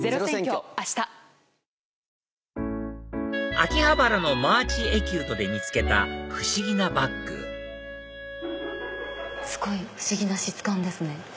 秋葉原のｍＡＡｃｈｅｃｕｔｅで見つけた不思議なバッグすごい不思議な質感ですね。